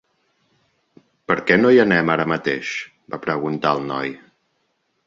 "Per què no hi anem ara mateix?" va preguntar el noi.